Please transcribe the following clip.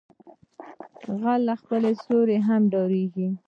غل له خپل سيوري هم ډاریږي